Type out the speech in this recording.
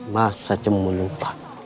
masa cemun lupa